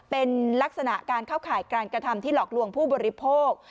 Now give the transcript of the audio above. เป็นลักษณะการเข้าข่ายการกระทำที่หลอกลวงผู้บริโภค